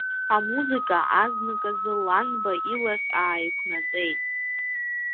Амузыка азныказы Ланба илахь ааиқәнаҵеит…